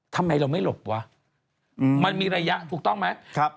ทำไมเราไม่หลบวะมันมีระยะถูกต้องไหมครับ